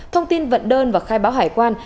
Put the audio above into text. thông tin vận đơn và khai báo hải quan